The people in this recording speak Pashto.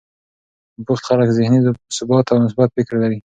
بوخت خلک ذهني ثبات او مثبت فکر لري.